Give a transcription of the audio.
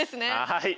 はい。